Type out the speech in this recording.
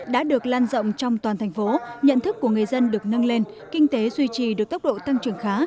đã được lan rộng trong toàn thành phố nhận thức của người dân được nâng lên kinh tế duy trì được tốc độ tăng trưởng khá